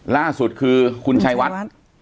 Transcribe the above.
ล่าสุดคือคุณชัยวัด